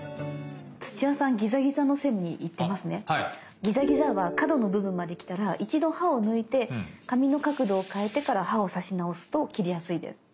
ギザギザは角の部分まできたら一度刃を抜いて紙の角度を変えてから刃を刺し直すと切りやすいです。